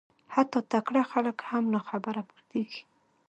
حتی تکړه خلک هم ناخبره پاتېږي